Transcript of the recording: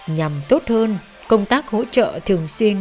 nhằm tốt hơn công tác hỗ trợ thường xuyên